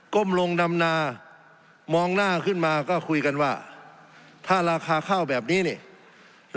้มลงดำนามองหน้าขึ้นมาก็คุยกันว่าถ้าราคาข้าวแบบนี้นี่